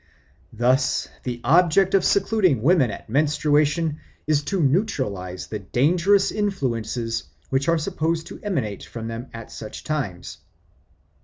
Thus the object of secluding women at menstruation is to neutralise the dangerous influences which are supposed to emanate from them at such times.